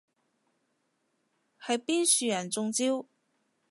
係邊樹人中招？